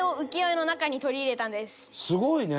すごいね！